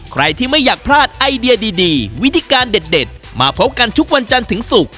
ใครที่ไม่อยากพลาดไอเดียดีวิธีการเด็ดมาพบกันทุกวันจันทร์ถึงศุกร์